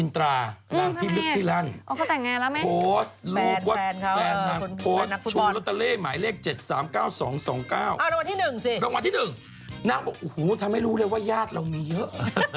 นางบอกโอ้โหทำให้รู้เลยว่าญาติเรามีเยอะ